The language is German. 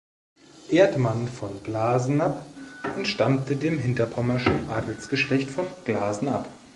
Erdmann von Glasenapp entstammte dem hinterpommerschen Adelsgeschlecht von Glasenapp.